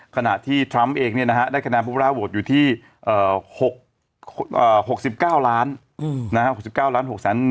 ขณะที่ทรัมป์เองได้คะแนนพระพุทธราวตอยู่ที่๖๙ล้าน